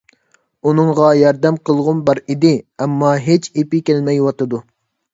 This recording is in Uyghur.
ئۇنىڭغا ياردەم قىلغۇم بار ئىدى، ئەمما ھېچ ئېپى كەلمەيۋاتىدۇ.